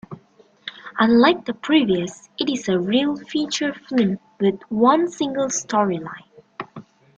Unlike the previous, it is a real feature film with one single storyline.